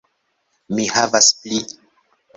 Mi havas pli